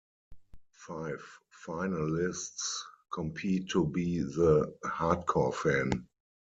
Five finalists compete to be the "hard-core fan".